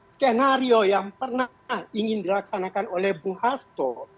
skenario yang pernah ingin dilaksanakan oleh bu hasto